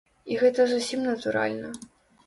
І гэта зусім натуральна.